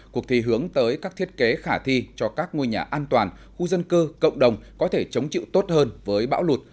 cuộc thi hướng tới các thiết kế khả thi cho các ngôi nhà an toàn khu dân cư cộng đồng có thể chống chịu tốt hơn với bão lụt